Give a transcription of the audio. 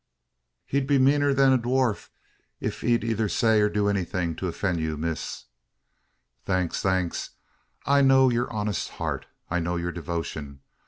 "He'd be meaner than a dwurf es ked eyther say or do anythin' to offend you, miss." "Thanks! thanks! I know your honest heart I know your devotion.